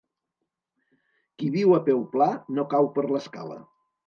Qui viu a peu pla no cau per l'escala.